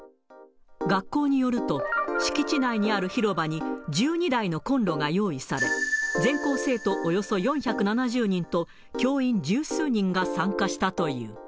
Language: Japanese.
学校によると、敷地内にある広場に１２台のコンロが用意され、全校生徒およそ４７０人と、教員十数人が参加したという。